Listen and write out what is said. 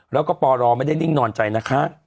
แล้วก็ปรไม่ได้ดิ้งนอนใจนะคะ